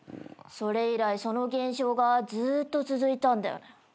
それ以来その現象がずーっと続いたんだよね。